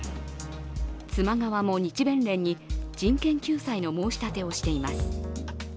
妻側も日弁連に人権救済の申し立てをしています。